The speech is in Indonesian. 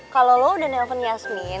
kalau lo udah nelfon yasmin